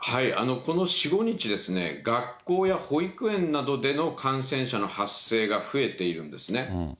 この４、５日、学校や保育園などでの感染者の発生が増えているんですね。